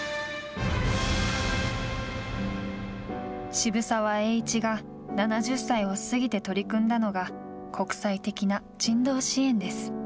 渋沢栄一が７０歳を過ぎて取り組んだのが国際的な人道支援です。